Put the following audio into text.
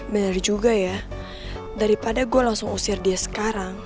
benar juga ya daripada gue langsung usir dia sekarang